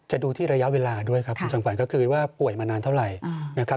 ดูที่ระยะเวลาด้วยครับคุณจำขวัญก็คือว่าป่วยมานานเท่าไหร่นะครับ